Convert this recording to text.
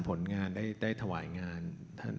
เพราะฉะนั้นเราทำกันเนี่ย